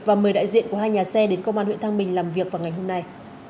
và mời đại diện của hai nhà xe đến công an huyện thăng bình làm việc vào ngày hôm nay